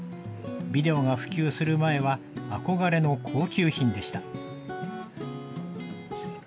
ビデオが普及する前は、憧れの高級品でした。